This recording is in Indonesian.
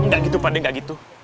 gak gitu pak adek gak gitu